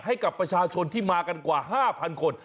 ให้กับประชาชนที่มากันกว่า๕๐๐คน